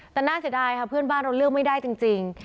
แต่น่าเสียดายค่ะเพื่อนบ้านเราเลือกไม่ได้จริง